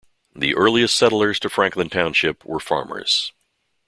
The earliest settlers to Franklin Township were farmers.